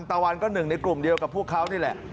ตะวันก็หนึ่งในกลุ่มเดียวกับพวกเขานี่แหละ